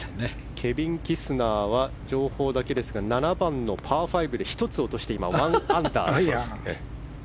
ケビン・キスナーは情報だけですが７番のパー５で１つ落として今、１アンダーです。